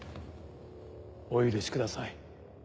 お許しください。